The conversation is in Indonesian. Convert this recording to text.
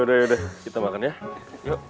udah yaudah kita makan ya yuk